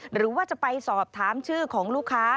หรือว่าจะไปสอบถามชื่อของลูกค้า